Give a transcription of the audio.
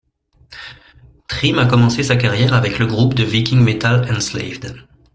Trym a commencé sa carrière avec le groupe de viking metal Enslaved.